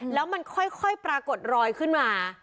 แล้วมันค่อยปรากฏรอยขึ้นมา